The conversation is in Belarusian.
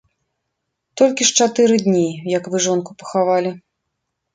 Толькі ж чатыры дні, як вы жонку пахавалі.